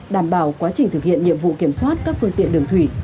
đảm bảo quá trình thực hiện nhiệm vụ kiểm soát các phương tiện đường thủy